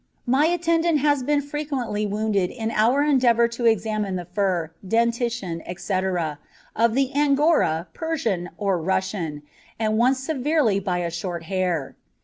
My attendant has been frequently wounded in our endeavour to examine the fur, dentition, etc., of the Angora, Persian, or Russian; and once severely by a "short hair."